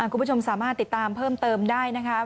คุณผู้ชมสามารถติดตามเพิ่มเติมได้นะคะ